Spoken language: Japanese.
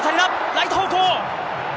ライト方向。